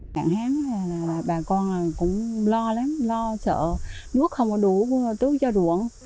các hãng bà con cũng lo lắm lo sợ nước không đủ tốt cho ruộng